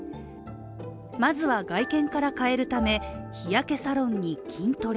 まずは外見から変えるため、日焼けサロンに筋トレ。